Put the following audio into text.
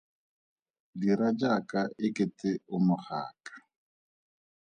Dira jaaka e kete o mogaka.